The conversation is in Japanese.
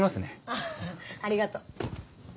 ああありがとう。